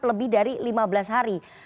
lebih dari lima belas hari